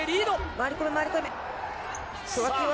回り込め、回り込め。